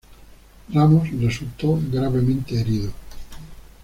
Ramos resultó gravemente herido.